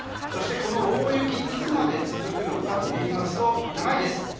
そして、この大雪はいつまで続くのかというと長いです。